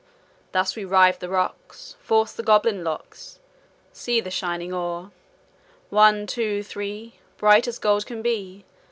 Thus we rive the rocks, Force the goblin locks. See the shining ore! One, two, three Bright as gold can be!